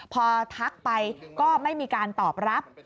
พอทักไปก็ไม่มีการตอบรับ